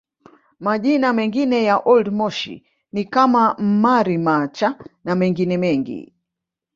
Majina mengine ya Old Moshi ni kama Mmari Macha na mengine mengi